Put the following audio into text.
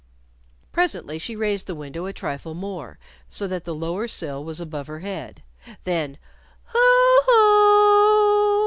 Presently she raised the window a trifle more, so that the lower sill was above her head. Then, "Hoo hoo oo oo!"